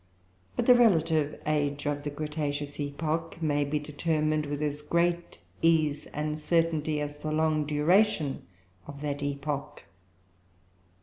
But the relative age of the cretaceous epoch may be determined with as great ease and certainty as the long duration of that epoch.